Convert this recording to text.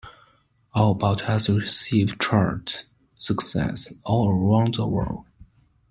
"All About Us" received chart success all around the world.